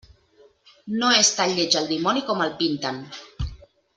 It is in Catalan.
No és tan lleig el dimoni com el pinten.